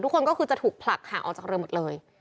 ทุกคนก็คือจะถูกผลักห่างออกจากเรือหมดเลย